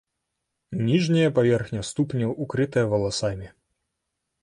Ніжняя паверхня ступняў укрытая валасамі.